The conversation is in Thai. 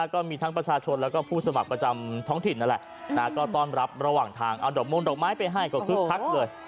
ก็มีทั้งประชาชนแล้วก็ผู้สมัครประจำท้องถิ่นนั่นแหละก็ต้อนรับระหว่างทางเอาดอกมงดอกไม้ไปให้ก็คึกคักเลย